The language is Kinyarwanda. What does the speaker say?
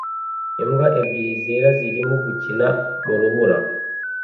Imbwa ebyiri zera zirimo gukina mu rubura